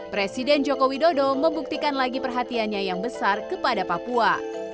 presiden joko widodo membuktikan lagi perhatiannya yang besar kepada papua